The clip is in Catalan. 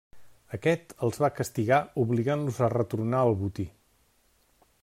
Aquest els va castigar obligant-los a retornar el botí.